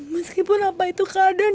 meskipun apa itu keadaan